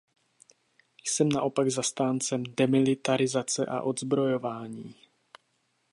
Jsem naopak zastáncem demilitarizace a odzbrojování.